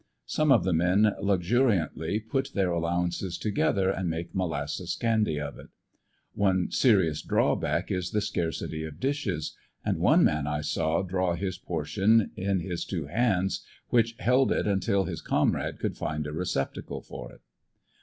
Some of the men, luxuriantly, put their allowances together and make molasses candy of it. One serious drawback is the scarcity of dishes, and one man I saw draw his portion is his two hands, which held it until his comrade could find a receptacle for it.